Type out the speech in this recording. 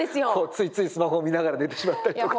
ついついスマホを見ながら寝てしまったりとか。